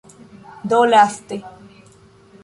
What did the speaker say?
Do laste